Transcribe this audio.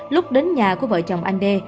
lúc đến nhà của vợ chồng anh đê